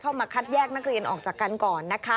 มาคัดแยกนักเรียนออกจากกันก่อนนะคะ